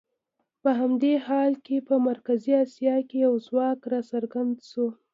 په همدې حال کې په مرکزي اسیا کې یو ځواک راڅرګند شو.